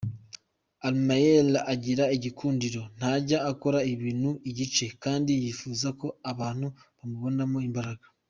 Armel agira igikundiro, ntajya akora ibintu igice kandi yifuza ko abantu bamubonamo imbaraga.